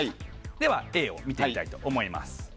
ではＡを見てみたいと思います。